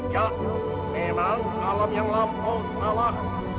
ya memang alam yang lampau salah